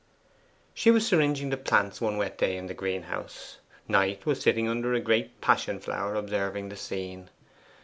She was syringing the plants one wet day in the greenhouse. Knight was sitting under a great passion flower observing the scene.